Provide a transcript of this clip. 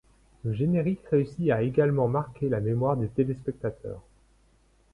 Le générique réussi a également marqué la mémoire des téléspectateurs.